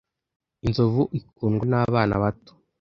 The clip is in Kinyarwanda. Inzovu ikundwa nabana bato.